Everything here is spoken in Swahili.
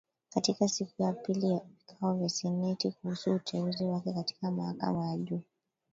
Katika siku ya pili ya vikao vya seneti kuhusu uteuzi wake katika mahakama ya juu.